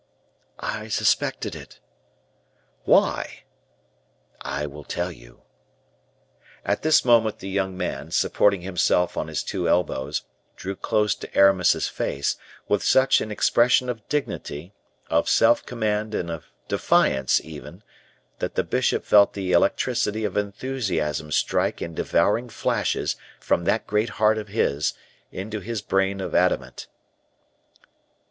"I suspected it." "Why?" "I will tell you." At this moment the young man, supporting himself on his two elbows, drew close to Aramis's face, with such an expression of dignity, of self command and of defiance even, that the bishop felt the electricity of enthusiasm strike in devouring flashes from that great heart of his, into his brain of adamant.